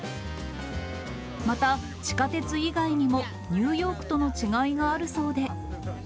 また、地下鉄以外にも、ニューヨークとの違いがあるそうで。